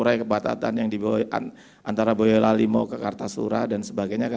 harus pasti ada ga